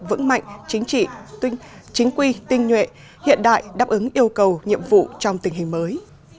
vững mạnh chính trị chính quy tinh nhuệ hiện đại đáp ứng yêu cầu nhiệm vụ trong tình hình mới